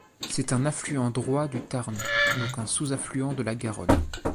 C'est un affluent droit du Tarn donc un sous-affluent de la Garonne.